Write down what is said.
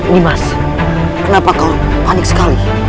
dimas kenapa kau panik sekali